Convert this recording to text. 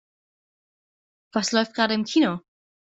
Was läuft gerade im Kino?